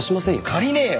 借りねえよ！